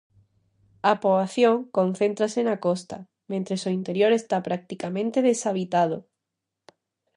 A poboación concéntrase na costa, mentres o interior está practicamente deshabitado.